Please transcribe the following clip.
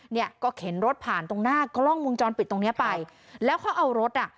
เนี่ยก็เข็นรถผ่านตรงหน้ากล้องมุมจรปิดตรงเนี้ยไปแล้วเขาเอารถอ่ะ